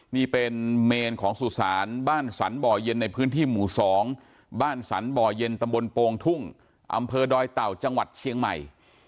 นี่เป็นเมนของสุสานบ้านสรรบ่อเย็นในพื้นที่หมู่๒บ้านสรรบ่อเย็นตำบลโปรงทุ่งอำเภอดอยเต่าจังหวัดเชียงใหม่